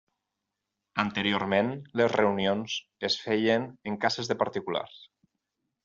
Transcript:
Anteriorment les reunions es feien en cases de particulars.